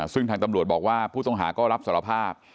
ซึ่งทางตำรวจบอกว่าผู้ต้องหาก็รับสารภาพ